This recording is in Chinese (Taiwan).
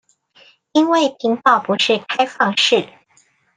因為頻道不是開放式